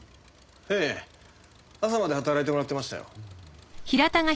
ええ朝まで働いてもらってましたよ。